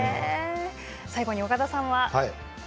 最後に岡田さんは？